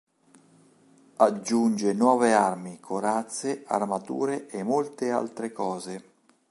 Aggiunge nuove armi, corazze, armature e molte altre cose.